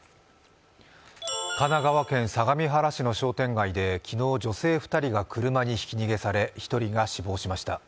神奈川県相模原市の商店街で昨日、女性２人が車にひき逃げされ１人が死亡しました。